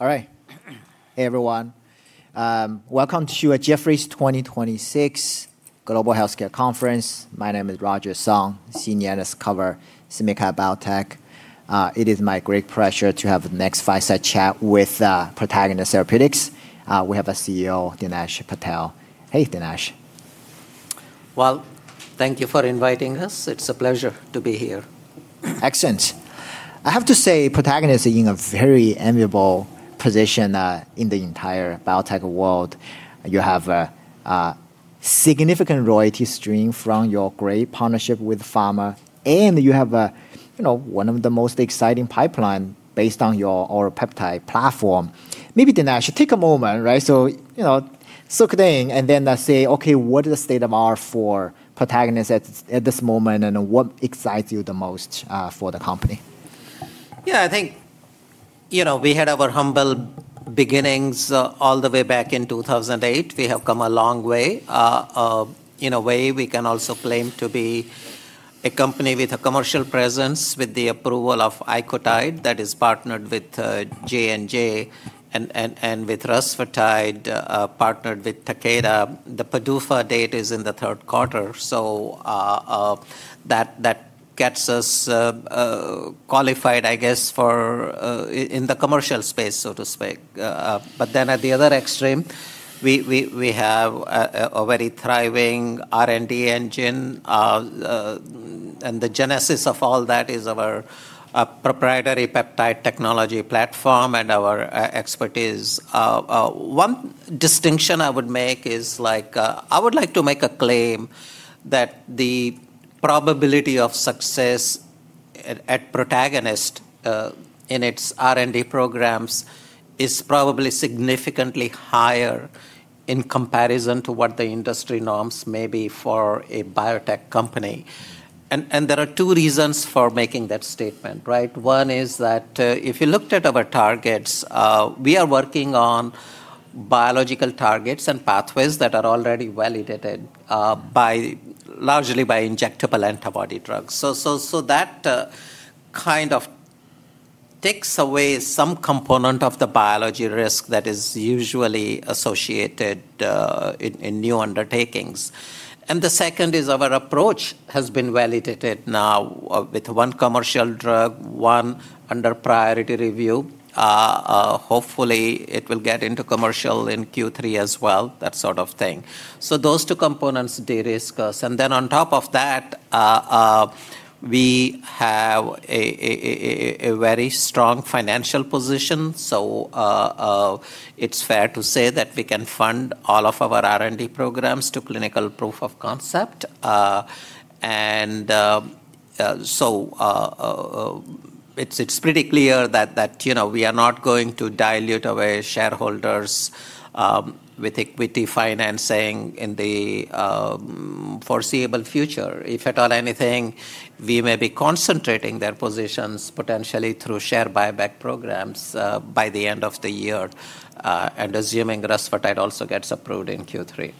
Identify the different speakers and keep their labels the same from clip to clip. Speaker 1: All right. Hey, everyone. Welcome to Jefferies Global Healthcare Conference. My name is Roger Song, Senior Analyst cover SMID-cap biotech. It is my great pleasure to have the next fireside chat with Protagonist Therapeutics. We have a CEO, Dinesh Patel. Hey, Dinesh.
Speaker 2: Well, thank you for inviting us. It's a pleasure to be here.
Speaker 1: Excellent. I have to say, Protagonist is in a very enviable position in the entire biotech world. You have a significant royalty stream from your great partnership with PhRMA, and you have one of the most exciting pipelines based on your peptide platform. Maybe, Dinesh, take a moment. Soak it in, and then say, okay, what is the state of R for Protagonist at this moment, and what excites you the most for the company?
Speaker 2: Yeah, I think we had our humble beginnings all the way back in 2008. We have come a long way. In a way, we can also claim to be a company with a commercial presence with the approval of ICOTYDE that is partnered with J&J, and with rusfertide, partnered with Takeda. The PDUFA date is in the third quarter, that gets us qualified, I guess, in the commercial space, so to speak. At the other extreme, we have a very thriving R&D engine. The genesis of all that is our proprietary peptide technology platform and our expertise. One distinction I would make is I would like to make a claim that the probability of success at Protagonist in its R&D programs is probably significantly higher in comparison to what the industry norms may be for a biotech company. There are two reasons for making that statement. One is that if you looked at our targets, we are working on biological targets and pathways that are already validated largely by injectable antibody drugs. That kind of takes away some component of the biology risk that is usually associated in new undertakings. The second is our approach has been validated now with one commercial drug, one under priority review. Hopefully, it will get into commercial in Q3 as well, that sort of thing. Those two components de-risk us, and then on top of that, we have a very strong financial position. It's fair to say that we can fund all of our R&D programs to clinical proof of concept. It's pretty clear that we are not going to dilute our shareholders with the financing in the foreseeable future. If at all anything, we may be concentrating their positions potentially through share buyback programs by the end of the year and assuming rusfertide also gets approved in Q3.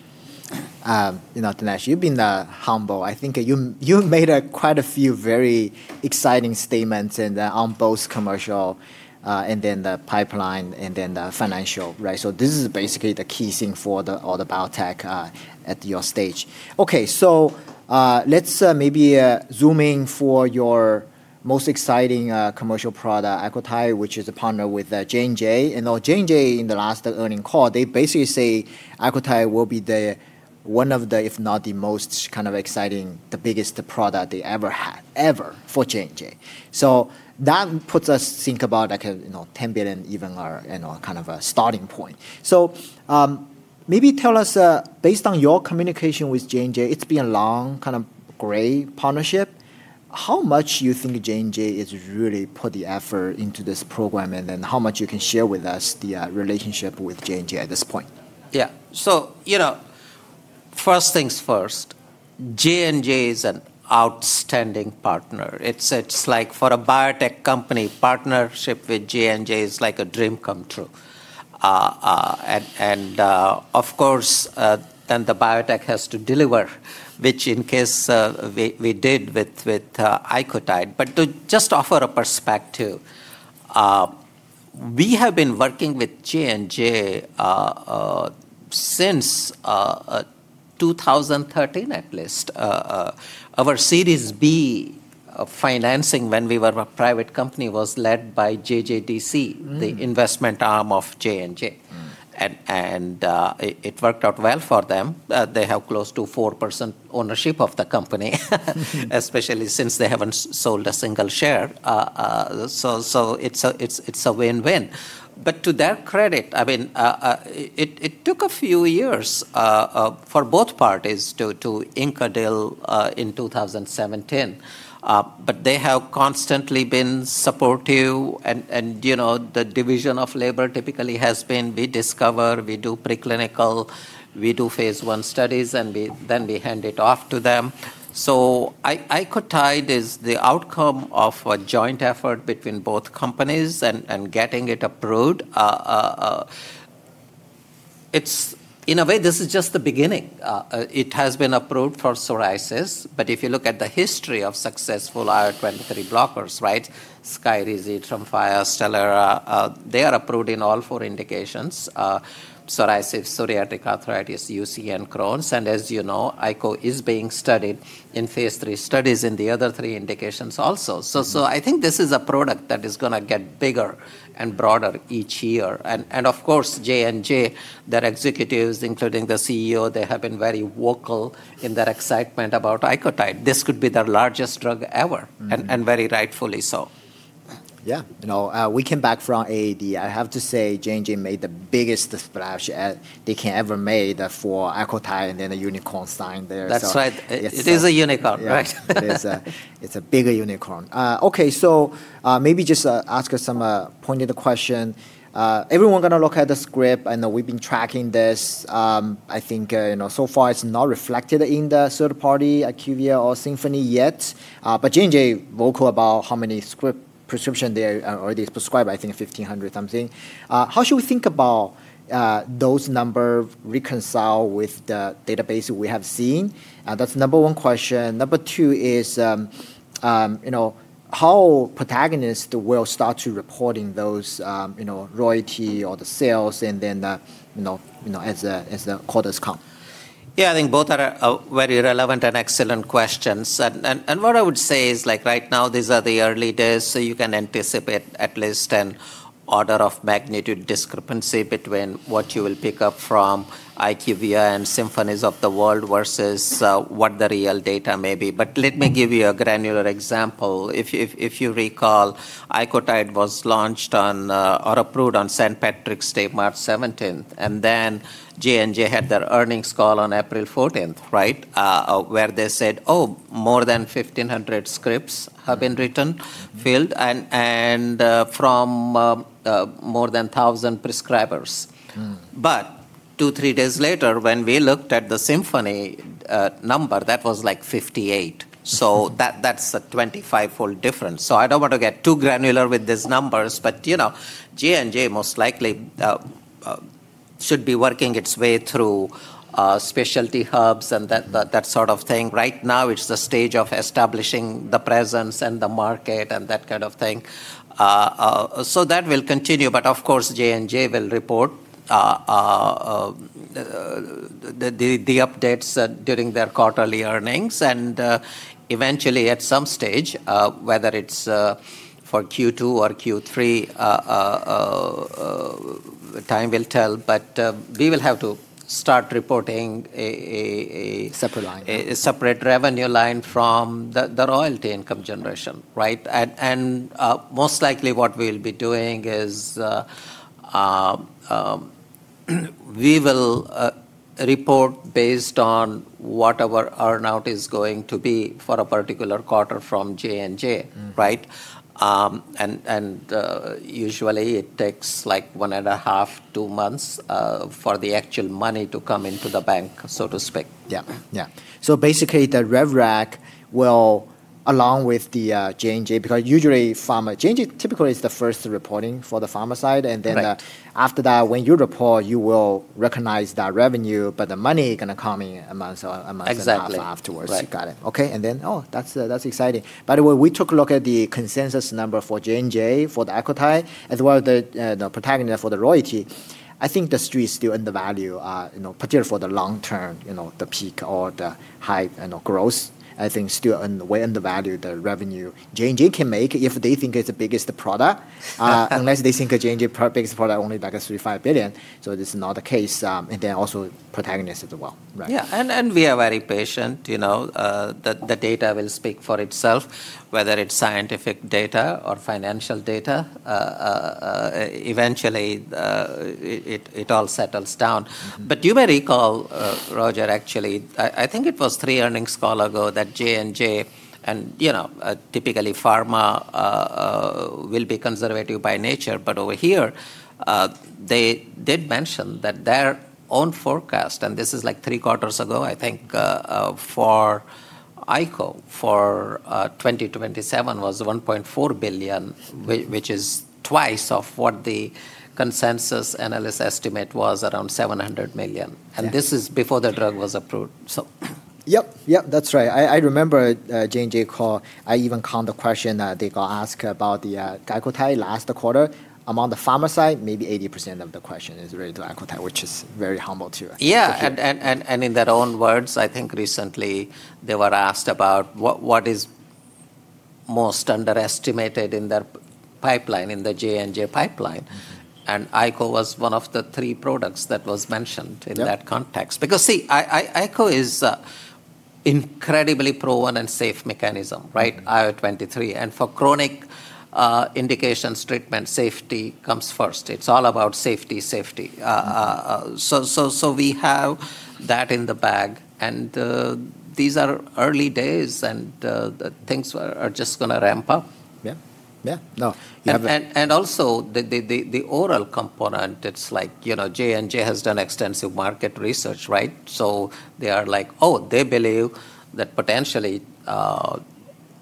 Speaker 1: Dinesh, you've been humble. I think you've made quite a few very exciting statements on both commercial, and then the pipeline, and then the financial. This is basically the key thing for all the biotech at your stage. Let's maybe zoom in for your most exciting commercial product, ICOTYDE, which is partnered with J&J. J&J in the last earning call, they basically say ICOTYDE will be one of the, if not the most kind of exciting, the biggest product they ever had, ever for J&J. That puts us think about $10 billion even are kind of a starting point. Maybe tell us, based on your communication with J&J, it's been a long kind of gray partnership. How much you think J&J has really put the effort into this program, and then how much you can share with us the relationship with J&J at this point?
Speaker 2: First things first. J&J is an outstanding partner. It's like for a biotech company, partnership with J&J is like a dream come true. Of course, then the biotech has to deliver, which in case we did with ICOTYDE. To just offer a perspective, we have been working with J&J since 2013, at least. Our Series B of financing when we were a private company was led by JJDC, the investment arm of J&J. It worked out well for them. They have close to 4% ownership of the company, especially since they haven't sold a single share. It's a win-win. To their credit, it took a few years for both parties to ink a deal in 2017. They have constantly been supportive, and the division of labor typically has been we discover, we do preclinical, we do phase I studies, and then we hand it off to them. ICOTYDE is the outcome of a joint effort between both companies and getting it approved. In a way, this is just the beginning. It has been approved for psoriasis, if you look at the history of successful IL-23 blockers, Skyrizi, TREMFYA, Stelara, they are approved in all four indications, psoriasis, psoriatic arthritis, UC, and Crohn's. As you know, ICO is being studied in phase III studies in the other three indications also. I think this is a product that is going to get bigger and broader each year. Of course, J&J, their executives, including the CEO, they have been very vocal in their excitement about ICOTYDE. This could be their largest drug ever, and very rightfully so.
Speaker 1: Yeah. We came back from AAD. I have to say, J&J made the biggest splash they have ever made for ICOTYDE and then the unicorn sign there.
Speaker 2: That's right. It is a unicorn, right?
Speaker 1: Yeah. It's a bigger unicorn. Maybe just ask some pointed question. Everyone going to look at the script, I know we've been tracking this. I think so far it's not reflected in the third party, IQVIA or Symphony yet. J&J vocal about how many script prescription they already prescribed, I think 1,500 something. How should we think about those number reconcile with the database we have seen? That's number one question. Number two is, how Protagonist will start to reporting those royalty or the sales and then as the quarters come?
Speaker 2: Yeah, I think both are very relevant and excellent questions. What I would say is, right now these are the early days, so you can anticipate at least an order of magnitude discrepancy between what you will pick up from IQVIA and Symphony of the world versus what the real data may be. Let me give you a granular example. If you recall, ICOTYDE was launched on or approved on St. Patrick's Day, March 17th. J&J had their earnings call on April 14th, where they said, "Oh, more than 1,500 scripts have been written, filled, and from more than 1,000 prescribers." Two, three days later, when we looked at the Symphony number, that was like 58. That's a 25-fold difference. I don't want to get too granular with these numbers, but J&J most likely should be working its way through specialty hubs and that sort of thing. Right now, it's the stage of establishing the presence and the market and that kind of thing. That will continue, but of course, J&J will report the updates during their quarterly earnings. Eventually at some stage, whether it's for Q2 or Q3, time will tell, but we will have to start reporting.
Speaker 1: Separate line.
Speaker 2: A separate revenue line from the royalty income generation. Right? Most likely what we'll be doing is we will report based on what our earn-out is going to be for a particular quarter from J&J. Right? Usually it takes one and a half, two months for the actual money to come into the bank, so to speak.
Speaker 1: Yeah. Basically, the rev rack will, along with the J&J, because usually J&J typically is the first reporting for the pharma side.
Speaker 2: Right.
Speaker 1: After that, when you report, you will recognize that revenue, but the money going to come in a month or a month and a half afterwards.
Speaker 2: Exactly. Right.
Speaker 1: Got it. Okay. Oh, that's exciting. By the way, we took a look at the consensus number for J&J for the ICOTYDE, as well as Protagonist for the royalty. I think the street is still in the value, particularly for the long term, the peak or the hype and growth, I think still way undervalued the revenue J&J can make if they think it's the biggest product. Unless they think J&J biggest product only $3 billion, $5 billion, this is not the case. Also Protagonist as well. Right.
Speaker 2: Yeah. We are very patient. The data will speak for itself, whether it's scientific data or financial data. Eventually, it all settles down. You may recall, Roger, actually, I think it was three earnings call ago that J&J and typically pharma will be conservative by nature, but over here, they did mention that their own forecast, and this is three quarters ago, I think, for ICO, for 2027 was $1.4 billion, which is twice of what the consensus analyst estimate was around $700 million.
Speaker 1: Yeah.
Speaker 2: This is before the drug was approved.
Speaker 1: Yep. That's right. I remember J&J call, I even count the question that they got asked about the ICOTYDE last quarter. Among the pharma side, maybe 80% of the question is related to ICOTYDE, which is very humble too.
Speaker 2: Yeah. In their own words, I think recently they were asked about what is most underestimated in their pipeline, in the J&J pipeline. ICO was one of the three products that was mentioned.
Speaker 1: Yep.
Speaker 2: In that context. Because see, ICO is incredibly proven and safe mechanism. IL-23. For chronic indications treatment, safety comes first. It's all about safety. We have that in the bag, and these are early days, and things are just going to ramp up.
Speaker 1: Yeah, no.
Speaker 2: Also, the oral component, J&J has done extensive market research. They believe that potentially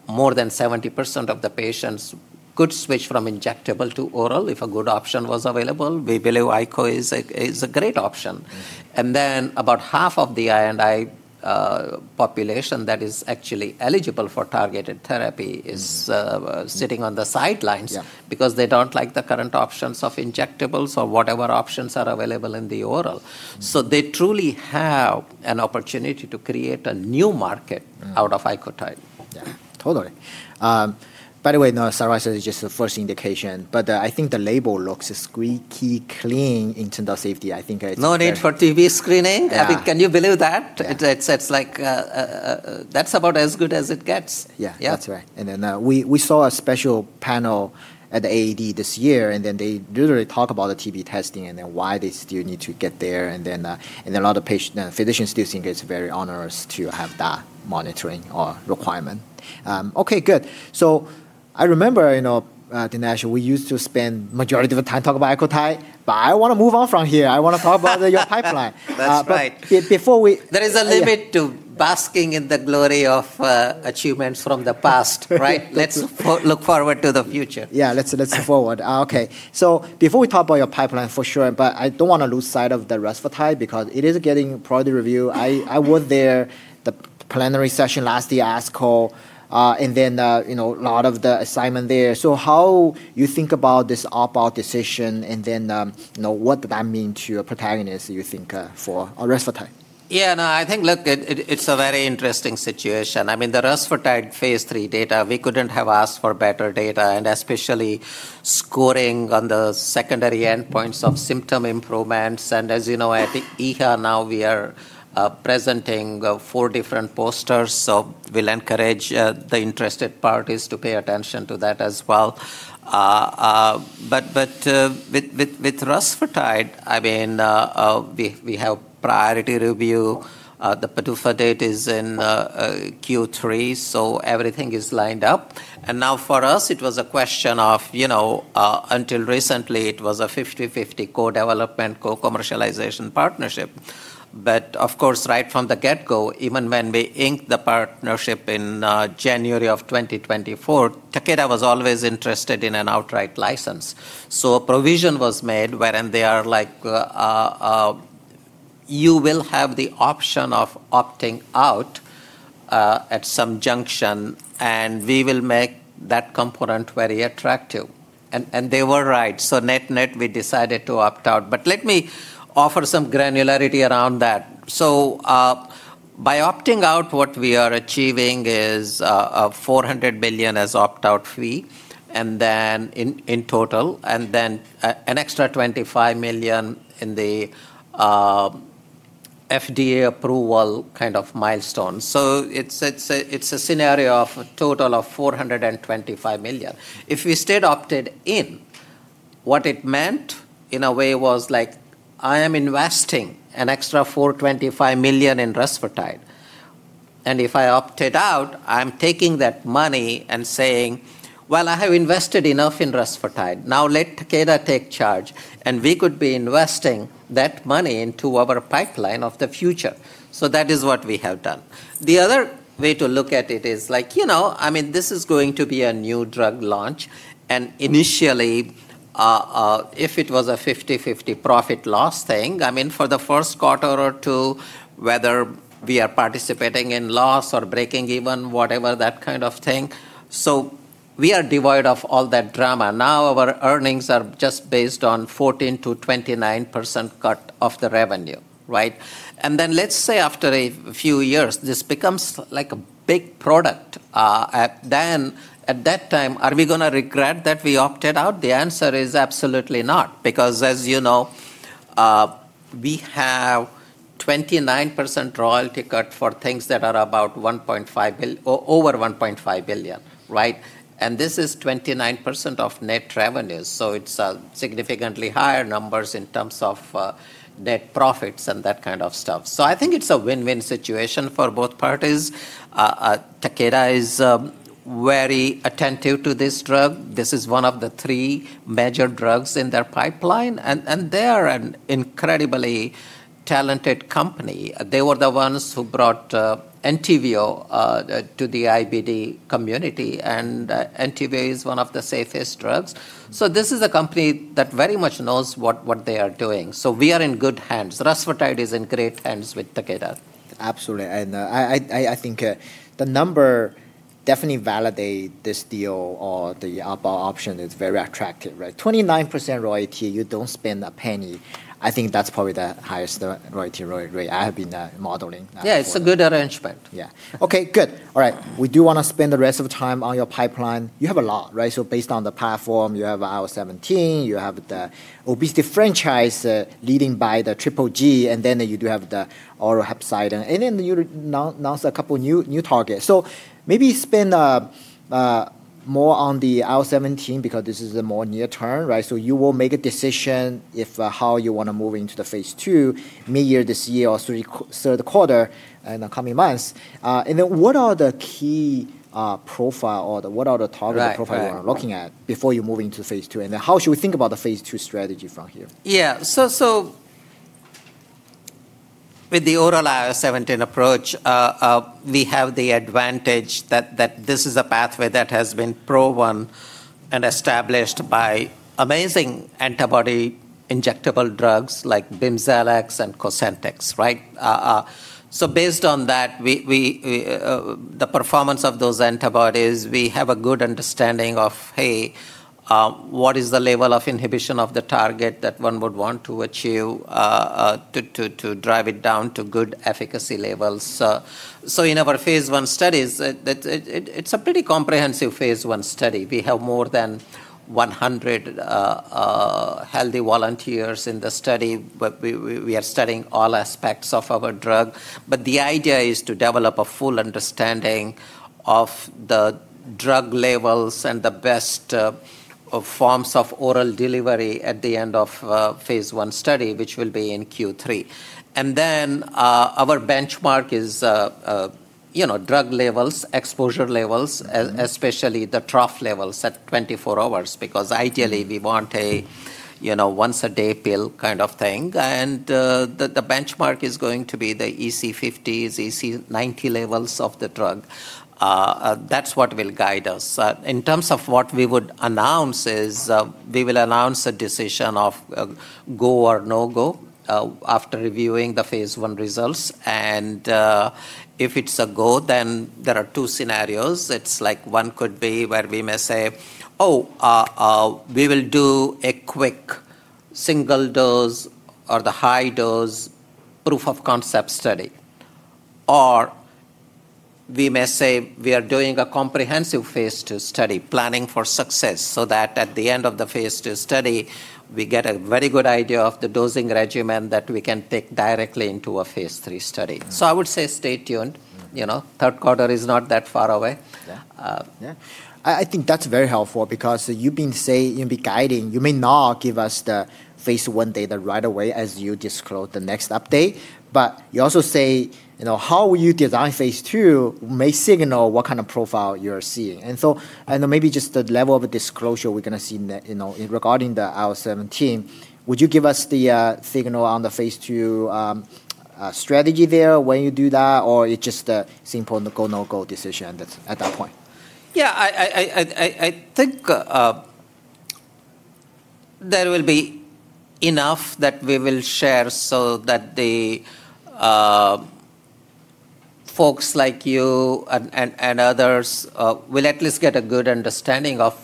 Speaker 2: more than 70% of the patients could switch from injectable to oral if a good option was available. We believe ICO is a great option. About half of the I&I population that is actually eligible for targeted therapy is sitting on the sidelines.
Speaker 1: Yeah.
Speaker 2: They don't like the current options of injectables or whatever options are available in the oral. They truly have an opportunity to create a new market out of ICOTYDE.
Speaker 1: Yeah, totally. By the way, no, psoriasis is just the first indication, but I think the label looks squeaky clean in terms of safety.
Speaker 2: No need for TB screening.
Speaker 1: Yeah.
Speaker 2: I mean, can you believe that?
Speaker 1: Yeah.
Speaker 2: That's about as good as it gets.
Speaker 1: Yeah.
Speaker 2: Yeah.
Speaker 1: That's right. We saw a special panel at the AAD this year. They literally talk about the TB testing and why they still need to get there. A lot of physicians still think it's very onerous to have that monitoring or requirement. Okay, good. I remember, Dinesh, we used to spend majority of the time talking about ICOTYDE. I want to move on from here. I want to talk about your pipeline.
Speaker 2: That's right.
Speaker 1: But before we.
Speaker 2: There is a limit to basking in the glory of achievements from the past, right? Let's look forward to the future.
Speaker 1: Let's look forward. Before we talk about your pipeline, for sure, but I don't want to lose sight of the rusfertide because it is getting priority review. I was there the plenary session last ASCO and then a lot of the assessment there. How you think about this opt-out decision, and then what does that mean to Protagonist, you think for rusfertide?
Speaker 2: Yeah, no, I think, look, it's a very interesting situation. I mean, the rusfertide phase III data, we couldn't have asked for better data, and especially scoring on the secondary endpoints of symptom improvements. As you know, at EHA now, we are presenting four different posters. We'll encourage the interested parties to pay attention to that as well. With rusfertide, we have priority review. The PDUFA date is in Q3, so everything is lined up. Now for us, it was a question of, until recently, it was a 50/50 co-development, co-commercialization partnership. Of course, right from the get-go, even when we inked the partnership in January of 2024, Takeda was always interested in an outright license. A provision was made wherein they are like, "You will have the option of opting out at some junction, and we will make that component very attractive." They were right. Net-net, we decided to opt out. Let me offer some granularity around that. By opting out, what we are achieving is $400 million as opt-out fee in total, and then an extra $25 million in the FDA approval kind of milestone. It's a scenario of a total of $425 million. If we instead opted in, what it meant, in a way, was I am investing an extra $425 million in rusfertide, and if I opted out, I'm taking that money and saying, "Well, I have invested enough in rusfertide. Now let Takeda take charge," and we could be investing that money into our pipeline of the future. That is what we have done. The other way to look at it is, this is going to be a new drug launch, initially, if it was a 50/50 profit-loss thing, for the first quarter or two, whether we are participating in loss or breaking even, whatever that kind of thing. We are devoid of all that drama. Our earnings are just based on 14%-29% cut of the revenue, right? Let's say after a few years, this becomes a big product. At that time, are we going to regret that we opted out? The answer is absolutely not, because as you know, we have 29% royalty cut for things that are over $1.5 billion, right? This is 29% of net revenues, it's significantly higher numbers in terms of net profits and that kind of stuff. I think it's a win-win situation for both parties. Takeda is very attentive to this drug. This is one of the three major drugs in their pipeline. They are an incredibly talented company. They were the ones who brought ENTYVIO to the IBD community. ENTYVIO is one of the safest drugs. This is a company that very much knows what they are doing. We are in good hands. rusfertide is in great hands with Takeda.
Speaker 1: Absolutely. I think the number definitely validate this deal or the opt-out option is very attractive, right? 29% royalty. You don't spend a penny. I think that's probably the highest royalty rate I have been modeling for.
Speaker 2: Yeah. It's a good arrangement.
Speaker 1: Yeah. Okay, good. All right. We do want to spend the rest of the time on your pipeline. You have a lot, right? Based on the platform, you have IL-17, you have the obesity franchise, leading by the triple G, and then you do have the oral hepcidin. You announced a couple of new targets. Maybe spend more on the IL-17, because this is a more near term, right? You will make a decision if how you want to move into the phase II, mid-year this year or third quarter in the coming months. What are the key profile or what are the target profile.
Speaker 2: Right.
Speaker 1: You are looking at before you move into phase II? How should we think about the phase II strategy from here?
Speaker 2: With the oral IL-17 approach, we have the advantage that this is a pathway that has been proven and established by amazing antibody injectable drugs like BIMZELX and COSENTYX, right? Based on the performance of those antibodies, we have a good understanding of, hey, what is the level of inhibition of the target that one would want to achieve to drive it down to good efficacy levels? In our phase I studies, it's a pretty comprehensive phase I study. We have more than 100 healthy volunteers in the study. We are studying all aspects of our drug, but the idea is to develop a full understanding of the drug levels and the best forms of oral delivery at the end of phase I study, which will be in Q3. Our benchmark is drug levels, exposure levels, especially the trough levels at 24 hours, because ideally we want a once-a-day pill kind of thing. The benchmark is going to be the EC50, EC90 levels of the drug. That's what will guide us. In terms of what we would announce is, we will announce a decision of go or no go after reviewing the phase I results. If it's a go, there are two scenarios. It's like one could be where we may say, "Oh, we will do a quick single-dose or the high-dose proof of concept study." We may say we are doing a comprehensive phase II study planning for success so that at the end of the phase II study, we get a very good idea of the dosing regimen that we can take directly into a phase III study. I would say stay tuned. Third quarter is not that far away.
Speaker 1: Yeah. I think that's very helpful because you've been saying, you'll be guiding, you may not give us the phase I data right away as you disclose the next update, but you also say how you design phase II may signal what kind of profile you're seeing. Maybe just the level of disclosure we're going to see regarding the IL-17, would you give us the signal on the phase II strategy there when you do that, or it's just a simple go, no go decision at that point?
Speaker 2: I think there will be enough that we will share so that the folks like you and others will at least get a good understanding of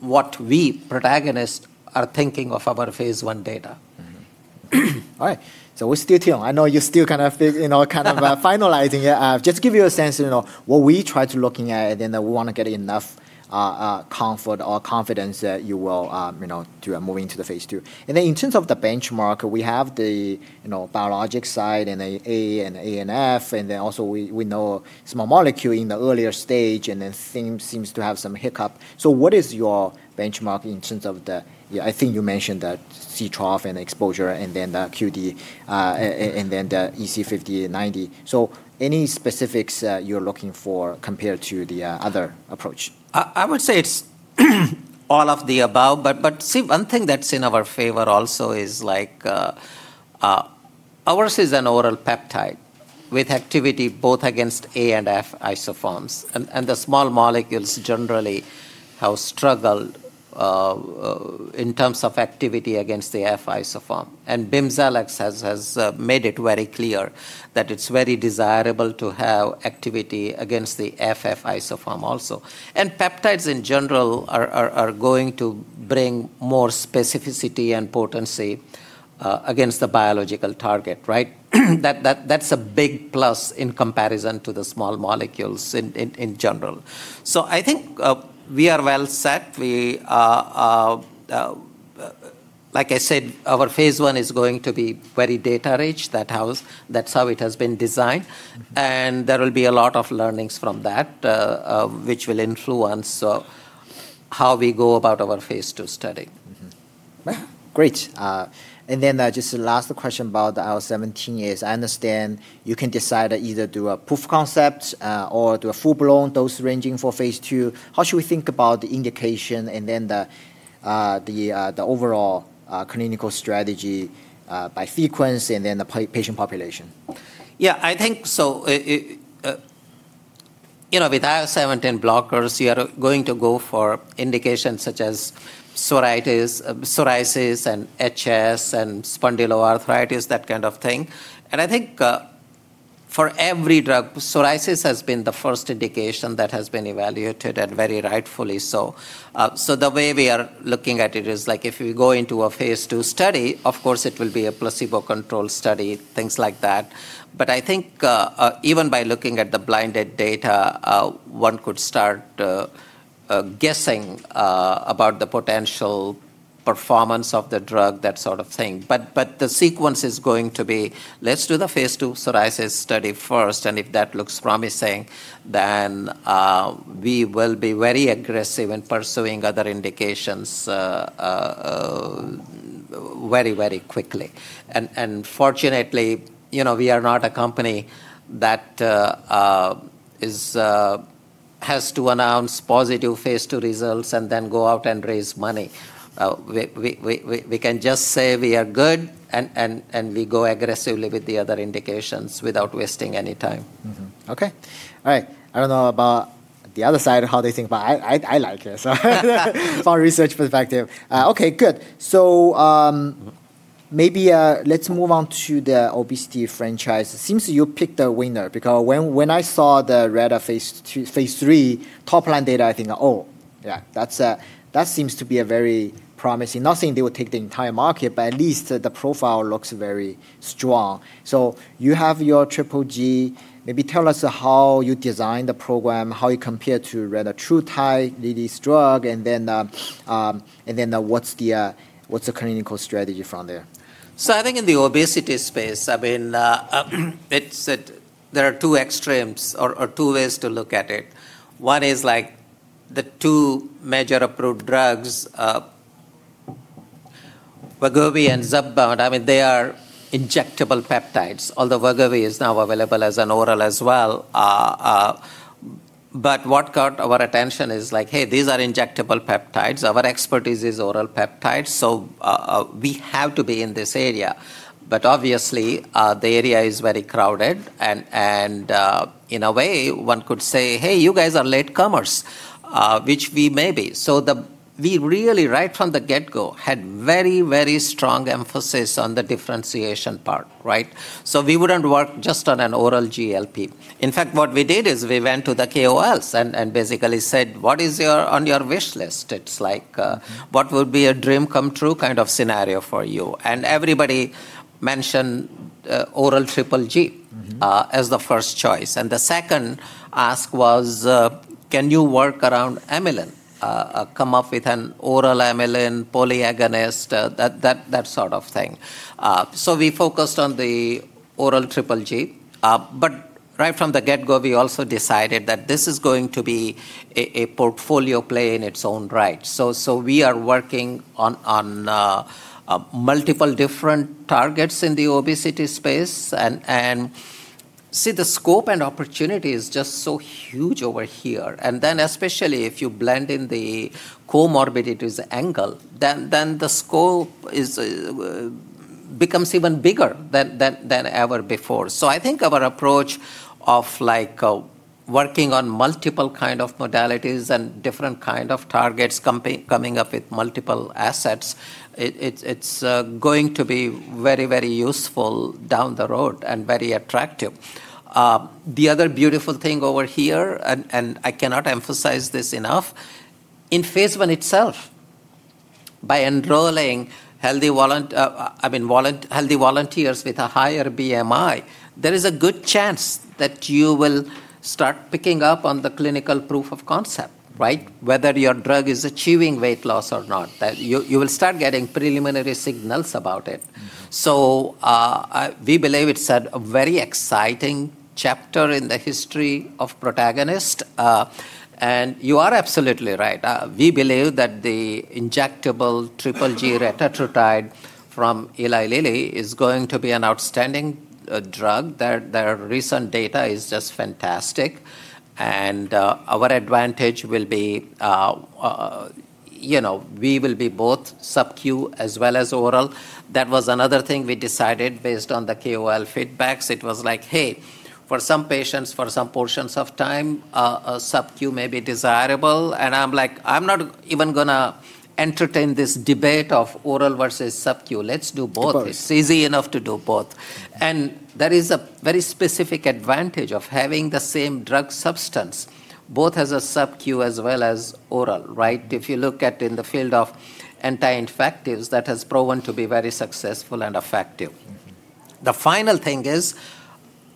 Speaker 2: what we, Protagonist, are thinking of our phase I data.
Speaker 1: All right. We stay tuned. I know you're still finalizing it. Just give you a sense, what we try to looking at, we want to get enough comfort or confidence that you will do a move into the phase II. In terms of the benchmark, we have the biologic side and A and F, also we know small molecule in the earlier stage seems to have some hiccup. What is your benchmark in terms of the I think you mentioned that C trough and exposure, the QD, the EC50 and EC90. Any specifics you're looking for compared to the other approach?
Speaker 2: I would say it's all of the above, see, one thing that's in our favor also is ours is an oral peptide with activity both against A and F isoforms. The small molecules generally have struggled in terms of activity against the F isoform. Bimzelx has made it very clear that it's very desirable to have activity against the FF isoform also. Peptides in general are going to bring more specificity and potency against the biological target, right? That's a big plus in comparison to the small molecules in general. I think we are well set. Like I said, our phase I is going to be very data rich. That's how it has been designed. There will be a lot of learnings from that, which will influence how we go about our phase II study.
Speaker 1: Great. Then just the last question about the IL-17 is, I understand you can decide to either do a proof of concept or do a full-blown dose ranging for phase II. How should we think about the indication and then the overall clinical strategy by frequency and then the patient population?
Speaker 2: Yeah, I think so. With IL-17 blockers, you are going to go for indications such as psoriasis and HS and spondyloarthritis, that kind of thing. I think for every drug, psoriasis has been the first indication that has been evaluated, and very rightfully so. The way we are looking at it is if we go into a phase II study, of course it will be a placebo control study, things like that. I think even by looking at the blinded data, one could start guessing about the potential performance of the drug, that sort of thing. The sequence is going to be let's do the phase II psoriasis study first, and if that looks promising, then we will be very aggressive in pursuing other indications very, very quickly. Fortunately, we are not a company that has to announce positive phase II results and then go out and raise money. We can just say we are good and we go aggressively with the other indications without wasting any time.
Speaker 1: Okay. All right. I don't know about the other side, how they think, but I like it. From a research perspective. Okay, good. Maybe let's move on to the obesity franchise. It seems you picked a winner because when I saw the reta phase III top-line data, I think, "Oh, yeah, that seems to be very promising." Not saying they will take the entire market, but at least the profile looks very strong. You have your triple G. Maybe tell us how you designed the program, how you compare to retatrutide, Lilly's drug, and then what's the clinical strategy from there?
Speaker 2: I think in the obesity space, there are two extremes or two ways to look at it. One is the two major approved drugs, Wegovy and Zepbound. They are injectable peptides, although Wegovy is now available as an oral as well. What got our attention is, hey, these are injectable peptides. Our expertise is oral peptides, we have to be in this area. Obviously, the area is very crowded, and in a way, one could say, hey, you guys are latecomers, which we may be. We really, right from the get-go, had a very strong emphasis on the differentiation part, right? We wouldn't work just on an oral GLP. In fact, what we did is we went to the KOLs and basically said, "What is on your wish list?" It's like, "What would be a dream come true kind of scenario for you?" Everybody mentioned oral triple G. as the first choice. The second ask was, "Can you work around amylin, come up with an oral amylin polyagonist?" That sort of thing. We focused on the oral triple G, but right from the get-go, we also decided that this is going to be a portfolio play in its own right. We are working on multiple different targets in the obesity space, and see the scope and opportunity is just so huge over here. Especially if you blend in the comorbidities angle, then the scope becomes even bigger than ever before. I think our approach of working on multiple kinds of modalities and different kinds of targets, coming up with multiple assets, it's going to be very useful down the road and very attractive. The other beautiful thing over here, I cannot emphasize this enough, in phase I itself, by enrolling healthy volunteers with a higher BMI, there is a good chance that you will start picking up on the clinical proof of concept, right? Whether your drug is achieving weight loss or not, that you will start getting preliminary signals about it. We believe it's a very exciting chapter in the history of Protagonist. You are absolutely right. We believe that the injectable triple G retatrutide from Eli Lilly is going to be an outstanding drug. Their recent data is just fantastic. Our advantage will be we will be both subQ as well as oral. That was another thing we decided based on the KOL feedbacks. It was like, "Hey, for some patients, for some portions of time, a subQ may be desirable." I'm like, "I'm not even going to entertain this debate of oral versus subQ. Let's do both.
Speaker 1: Both.
Speaker 2: It's easy enough to do both." There is a very specific advantage of having the same drug substance, both as a subQ as well as oral, right? If you look at in the field of anti-infectives, that has proven to be very successful and effective. The final thing is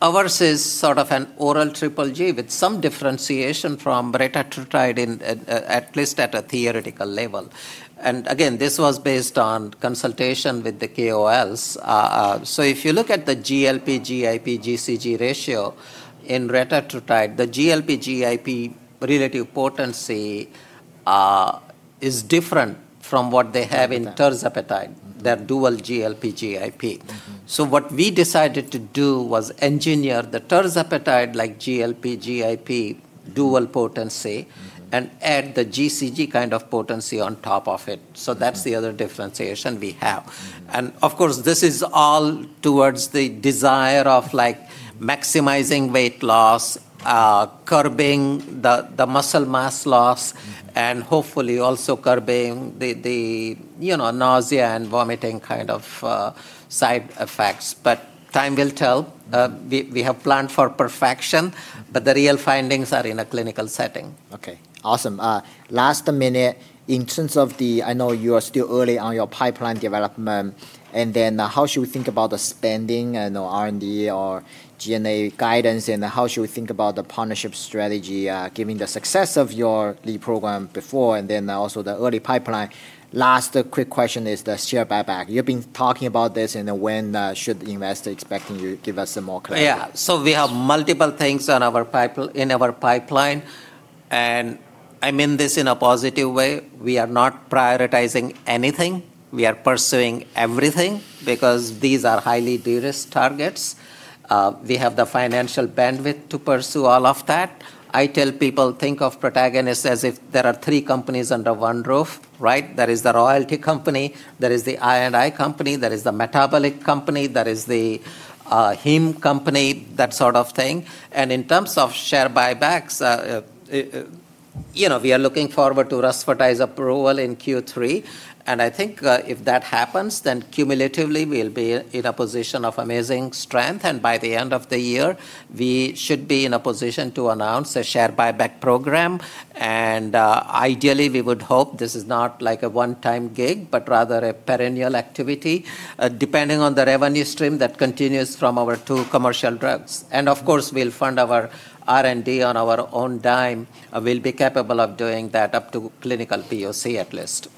Speaker 2: ours is sort of an oral triple G with some differentiation from retatrutide at least at a theoretical level. Again, this was based on consultation with the KOLs. If you look at the GLP/GIP/GCG ratio in retatrutide, the GLP/GIP relative potency is different from what they have in Tirzepatide, their dual GLP/GIP. What we decided to do was engineer the Tirzepatide like GLP/GIP dual potency. Add the GCG kind of potency on top of it. That's the other differentiation we have. Of course, this is all towards the desire of maximizing weight loss, curbing the muscle mass loss. Hopefully also curbing the nausea and vomiting kind of side effects. Time will tell. We have planned for perfection. The real findings are in a clinical setting.
Speaker 1: Okay. Awesome. Last minute, in terms of I know you are still early on your pipeline development, and then how should we think about the spending and the R&D or G&A guidance, and how should we think about the partnership strategy giving the success of your lead program before, and then also the early pipeline. Last quick question is the share buyback. You've been talking about this and when should the investor expect you to give us some more clarity?
Speaker 2: Yeah. We have multiple things in our pipeline, and I mean this in a positive way. We are not prioritizing anything. We are pursuing everything because these are highly de-risked targets. We have the financial bandwidth to pursue all of that. I tell people, think of Protagonist as if there are three companies under one roof, right? There is the royalty company, there is the I&I company, there is the metabolic company, there is the Heme company, that sort of thing. In terms of share buybacks, we are looking forward to rusfertide approval in Q3, and I think if that happens, then cumulatively we'll be in a position of amazing strength, and by the end of the year, we should be in a position to announce a share buyback program. Ideally, we would hope this is not like a one-time gig, but rather a perennial activity, depending on the revenue stream that continues from our two commercial drugs. Of course, we'll fund our R&D on our own dime, and we'll be capable of doing that up to clinical POC at least.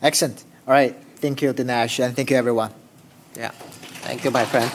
Speaker 1: Excellent. All right. Thank you, Dinesh, and thank you, everyone.
Speaker 2: Yeah. Thank you, my friend.